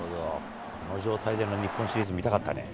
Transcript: この状態での日本シリーズ、見たかったね。